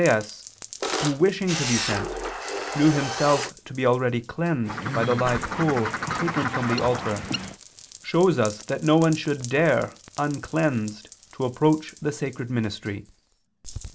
i, 7), "Isaias, who wishing to be sent, knew himself to be already cleansed by the live coal taken from the altar, shows us that no one should dare uncleansed to approach the sacred ministry.